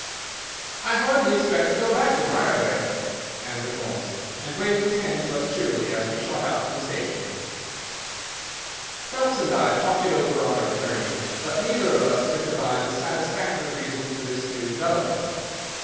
"I hardly expect to go back to Briarbrae," answered Holmes, and waved his hand to us cheerily as we shot out from the station. Phelps and I talked it over on our journey, but neither of us could devise a satisfactory reason for this new development.